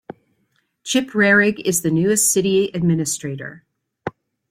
Chip Rerig is the newest City Administrator.